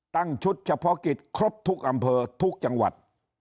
ตั้งชุดเฉพาะกิจครบทุกอำเภอทุกจังหวัด